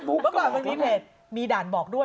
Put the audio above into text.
เมื่อก่อนก็ใช่อาจารย์มีด่านบอกด้วย